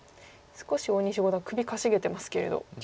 少し大西五段首かしげてますけれど。